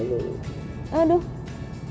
enggak enggak nunggu